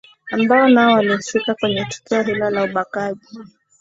ambao nao walihusika kwenye tukio hilo la ubakaji